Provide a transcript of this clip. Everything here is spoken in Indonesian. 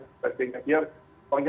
biar uangnya masuk negara pnbp dan sebagainya